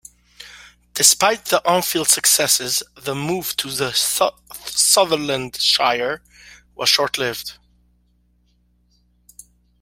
Despite the on field successes, the move to the Sutherland Shire was short-lived.